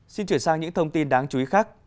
xin chuyển sang những thông tin đáng chú ý khác